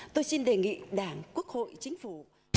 tôi xin đề nghị đảng quốc hội chính phủ